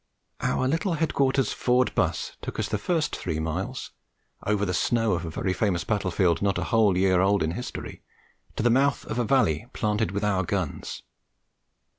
Our little headquarters Ford 'bus took us the first three miles, over the snow of a very famous battle field, not a whole year old in history, to the mouth of a valley planted with our guns.